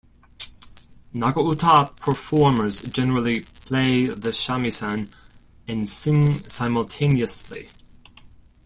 Nagauta performers generally play the shamisen and sing simultaneously.